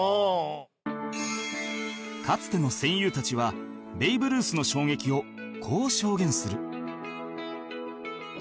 かつての戦友たちはベイブルースの衝撃をこう証言する